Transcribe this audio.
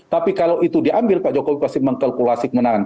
tapi kalau itu diambil pak jokowi pasti mengkalkulasi kemenangan